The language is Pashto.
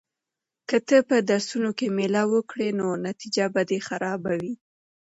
که ته په درسونو کې مېله وکړې نو نتیجه به دې خرابه وي.